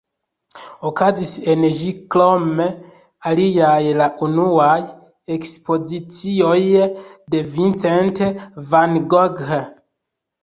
Okazis en ĝi krom aliaj la unuaj ekspozicioj de Vincent van Gogh.